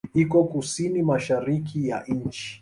Iko kusini-mashariki ya nchi.